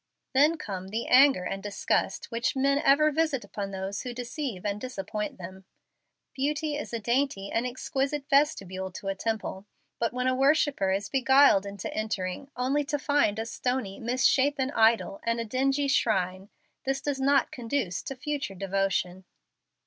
Then come the anger and disgust which men ever visit upon those who deceive and disappoint them. Beauty is a dainty and exquisite vestibule to a temple; but when a worshipper is beguiled into entering, only to find a stony, misshapen idol and a dingy shrine, this does not conduce to future devotion.